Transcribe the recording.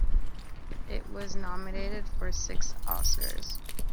It was nominated for six Oscars.